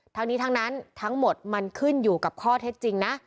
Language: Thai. ทั้งนี้ทั้งนั้นทั้งหมดมันขึ้นอยู่กับข้อเท็จจริงนะ